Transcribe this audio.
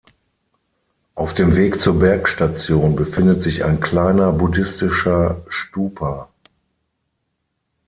Auf dem Weg zur Bergstation befindet sich ein kleiner buddhistischer Stupa.